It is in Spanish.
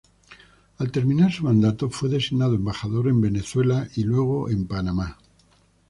Al terminar su mandato, fue designado embajador en Venezuela y luego en Panamá.